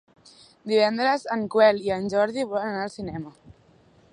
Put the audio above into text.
Divendres en Quel i en Jordi volen anar al cinema.